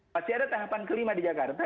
masih ada tahapan kelima di jakarta